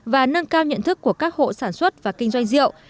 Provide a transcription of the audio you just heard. và nâng cao nhận thức của các hộ sản xuất và kinh doanh rượu